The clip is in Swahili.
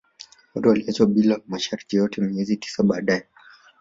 Wote waliachiwa bila masharti yoyote miezi tisa baadae